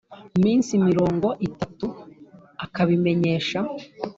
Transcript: Minsi mirongo itatu akabimenyesha